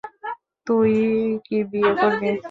তুইও কি বিয়ে করবি?